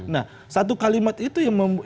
nah satu kalimat itu